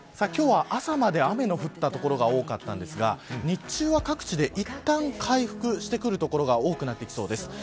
今日は朝まで雨の降った所が多かったんですが日中は各地でいったん回復してくる所が多くなってきそうです。